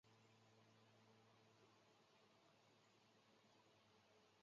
利用赤眼蜂防治甘蔗螟虫的研究取得成功。